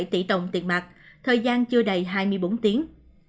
ba bảy tỷ đồng tiền mạc thời gian chưa đầy hai mươi bốn tiếng